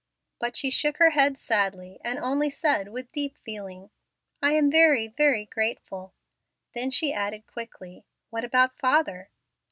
But she shook her head sadly, and only said with deep feeling, "I am very, very grateful." Then she added, quickly, "What about father?"